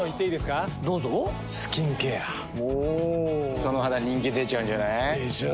その肌人気出ちゃうんじゃない？でしょう。